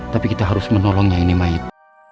tapi kita harus menolong yang ini mayat